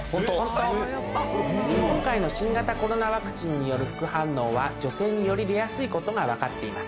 今回の新型コロナワクチンによる副反応は女性により出やすいことが分かっています。